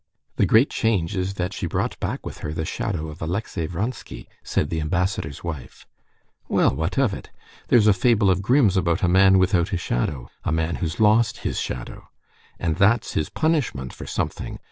"The great change is that she brought back with her the shadow of Alexey Vronsky," said the ambassador's wife. "Well, what of it? There's a fable of Grimm's about a man without a shadow, a man who's lost his shadow. And that's his punishment for something.